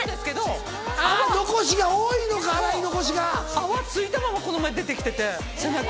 泡付いたままこの前出て来てて背中。